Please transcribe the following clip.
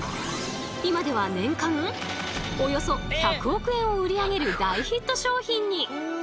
今では年間およそ１００億円を売り上げる大ヒット商品に！